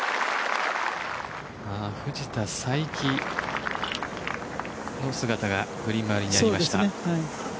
藤田さいきの姿がグリーンにありました。